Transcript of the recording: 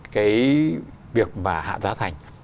cái việc mà hạ giá thành